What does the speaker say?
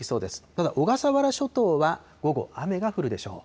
ただ、小笠原諸島は午後雨が降るでしょう。